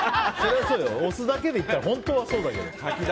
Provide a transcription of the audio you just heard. お酢だけでいったら本当はそうだけど。